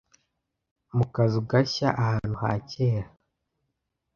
Mu kazu gashya ahantu ha kera.